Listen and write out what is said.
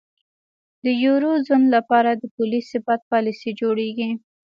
د یورو زون لپاره د پولي ثبات پالیسۍ جوړیږي.